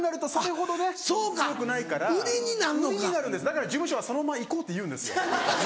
だから事務所は「そのまま行こう」って言うんです。